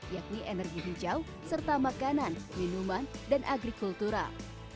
yakni energi hijau serta makanan minuman dan agrikultural